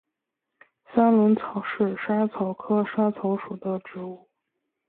三轮草是莎草科莎草属的植物。